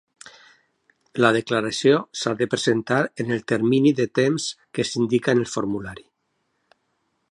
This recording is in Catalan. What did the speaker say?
La declaració s'ha de presentar en el termini de temps que s'indica en el formulari.